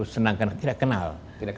senang karena tidak kenal